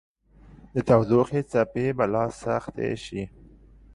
د تودوخې څپې به لا سختې شي